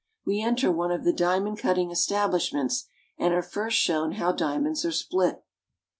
We enter one of the diamond cutting establishments, and are first shown how diamonds are split.